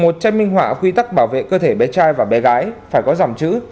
một tranh minh họa quy tắc bảo vệ cơ thể bé trai và bé gái phải có dòng chữ